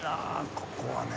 ここはね。